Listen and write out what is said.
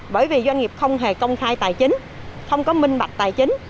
bởi vì doanh nghiệp không hề công khai tài chính không có minh bạch tài chính